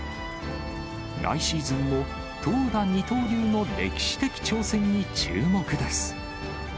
来シーズンも投打二刀流の歴史的挑戦に注目です。